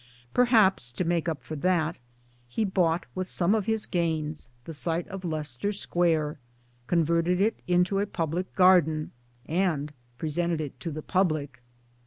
Perhaps to make up for that, he bought with some of his gains the site of Leicester Square, converted it into a public garden, and presented it to the public.